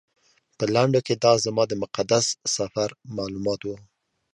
په لنډو کې دا زما د مقدس سفر معلومات و.